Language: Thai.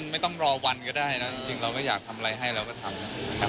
ไม่ต้องรอวันก็ได้นะจริงเราก็อยากทำอะไรให้เราก็ทำ